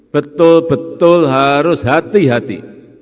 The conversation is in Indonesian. betul betul harus hati hati